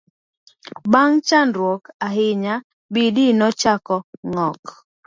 bang' chandruok ahinya, Bidii nochako ng'ok